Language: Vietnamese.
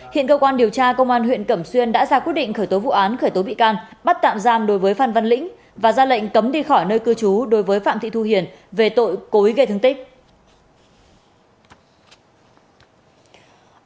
hiện cơ quan điều tra công an huyện cẩm xuyên đã ra quyết định khởi tố vụ án khởi tố bị can bắt tạm giam đối với phan văn lĩnh và ra lệnh cấm đi khỏi nơi cư trú đối với phạm thị thu hiền về tội cối gây thương tích